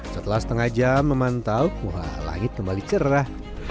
setelah setengah jam memantau wah langit kembali cerah